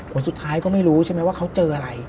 ผลสุดท้ายก็ไม่รู้ใช่ไหมว่าเขาเจออะไร